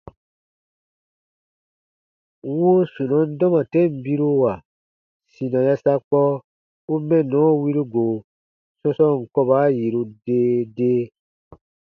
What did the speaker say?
Wuu sunɔn dɔma ten biruwa sina yasakpɔ u mɛnnɔ wiru go sɔ̃sɔɔn kɔba yiru dee dee.